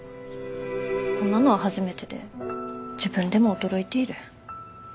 こんなのは初めてで自分でも驚いている。